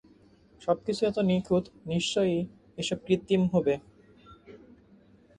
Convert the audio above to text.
সবকিছু এত নিখুঁত, নিশ্চয়ই এসব কৃত্রিম হবে!